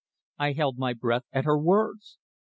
I held my breath at her words.